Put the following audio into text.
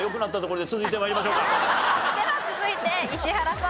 では続いて石原さん。